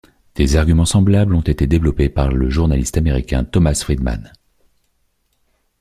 Des arguments semblables ont été développés par le journaliste américain Thomas Friedman.